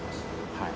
はい。